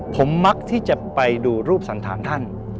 ผมมักที่จะไปดูรูปสันธารท่าน